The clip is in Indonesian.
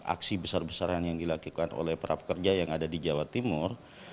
aksi besar besaran yang dilakukan oleh para pekerja yang ada di jawa timur